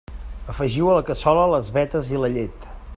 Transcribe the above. Afegiu a la cassola les vetes i la llet.